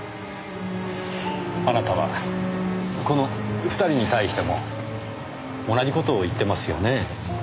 あなたはこの２人に対しても同じ事を言ってますよねぇ。